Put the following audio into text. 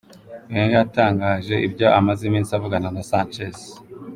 Wenger yatangaje ibyo amaze iminsi avugana na Sanchez.